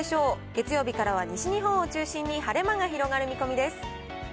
月曜日からは西日本を中心に、晴れ間が広がる見込みです。